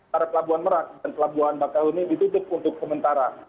karena pelabuhan merah dan pelabuhan bakau ini ditutup untuk sementara